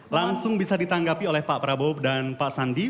langsung bisa ditanggapi oleh pak prabowo dan pak sandi